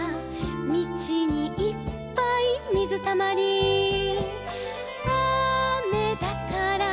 「みちにいっぱいみずたまり」「あめだから」